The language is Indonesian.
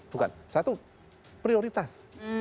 bukan satu prioritas